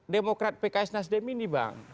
demokrat pks nasdem ini bang